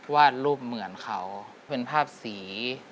วาดรูปเหมือนเขาเป็นภาพสี